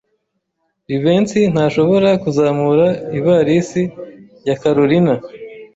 Jivency ntashobora kuzamura ivalisi ya Kalorina.